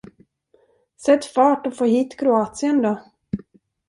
Sätt fart och få hit Kroatien då!